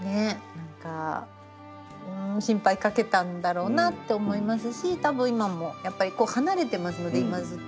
何かうん心配かけたんだろうなって思いますし多分今もやっぱり離れてますので今ずっと。